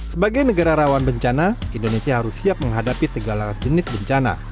sebagai negara rawan bencana indonesia harus siap menghadapi segala jenis bencana